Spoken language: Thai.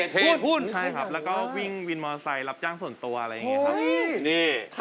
เทหุ้นใช่ครับแล้วก็วิ่งวินมอเซลรับจ้างส่วนตัวอะไรอย่างนี้ครับ